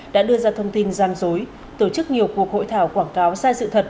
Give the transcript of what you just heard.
đã đưa ra thông tin gian dối tổ chức nhiều cuộc hội thảo quảng cáo sai sự thật